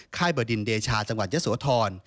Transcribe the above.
ค่ายบดินเดชาจังหวัดยสวทร